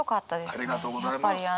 ありがとうございます。